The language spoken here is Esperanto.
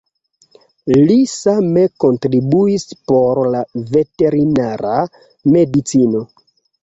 Li same kontribuis por la veterinara medicino.